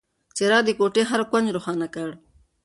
څراغ د کوټې هر کونج روښانه کړ.